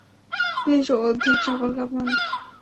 তিনি অধিক সফলকাম হন।